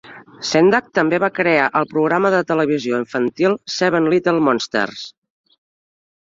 Sendak també va crear el programa de televisió infantil "Seven Little Monsters".